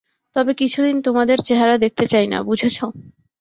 তবে কিছুদিন তোমাদের চেহারা দেখতে চাই না, বুঝেছ?